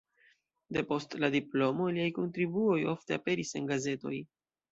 Depost la diplomo liaj kontribuoj ofte aperis en gazetoj.